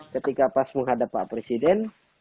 ketika pas menghadap pak presiden